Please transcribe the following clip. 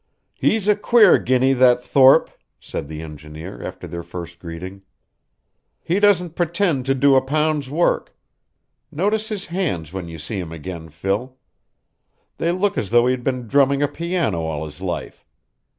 "He's a queer guinea, that Thorpe," said the engineer, after their first greeting. "He doesn't pretend to do a pound's work. Notice his hands when you see him again, Phil. They look as though he had been drumming a piano all his life.